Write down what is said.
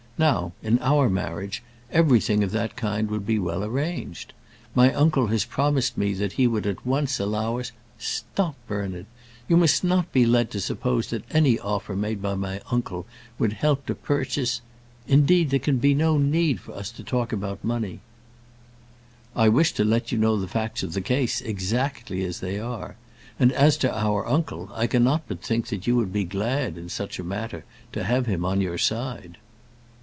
Now, in our marriage, everything of that kind would be well arranged. My uncle has promised me that he would at once allow us " "Stop, Bernard. You must not be led to suppose that any offer made by my uncle would help to purchase Indeed, there can be no need for us to talk about money." "I wished to let you know the facts of the case, exactly as they are. And as to our uncle, I cannot but think that you would be glad, in such a matter, to have him on your side."